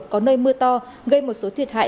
có nơi mưa to gây một số thiệt hại